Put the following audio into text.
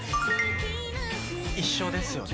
一緒ですよね。